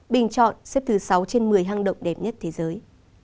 bình chọn xếp thứ sáu trên một mươi hang động đẹp nhất thế giới